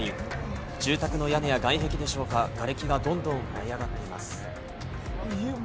住宅の屋根や外壁でしょうか、がれきがどんどん舞い上がっています。